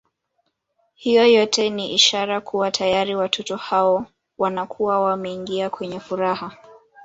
Hiyo yote ni ishara kuwa tayari watoto hao wanakuwa wameingia kwenye furaha